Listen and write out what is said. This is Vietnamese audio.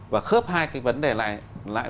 và khớp hai cái vấn đề lại